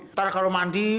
ntar kalau mandi